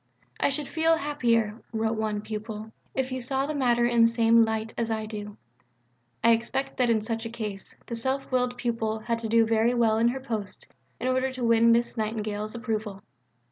"I should feel happier," wrote one pupil, "if you saw the matter in the same light as I do." I expect that in such a case the self willed pupil had to do very well in her post in order to win Miss Nightingale's approval.